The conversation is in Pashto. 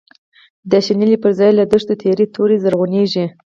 د شنلی پر ځای له دښتو، تیری توری زرغونیږی